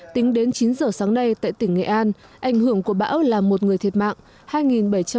tính đến chín giờ sáng nay tại tỉnh nghệ an ảnh hưởng của bão là một người thiệt mạng